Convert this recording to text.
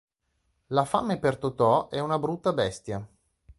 La fame per Totò è una brutta bestia.